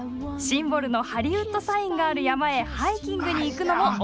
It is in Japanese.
シンボルの「ハリウッドサイン」がある山へハイキングに行くのもオススメですよ。